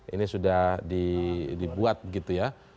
ini sudah dibuat gitu ya